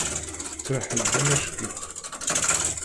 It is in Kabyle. Tettriḥ-d amack-itt.